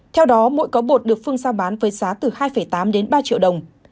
theo đó mỗi có bột được phương giao bán với giá từ hai tám đến ba triệu đồng